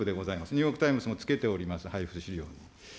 ニューヨークタイムズもつけております、配付資料に。